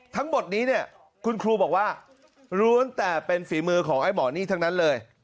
ทั้งหมดนี้เนี่ยคุณครูบอกว่าล้วนแต่เป็นฝีมือของไอ้หมอนี่ทั้งนั้นเลย